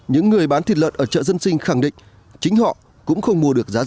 những người bán thịt lợn ở chợ dân sinh khẳng định chính họ cũng không mua được giá rẻ